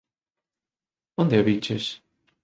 Onde a viches?